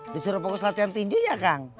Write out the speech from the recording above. disuruh fokus latihan tindih ya kang